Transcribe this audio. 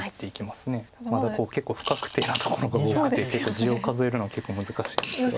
まだ結構不確定なところが多くて地を数えるのは結構難しいんですが。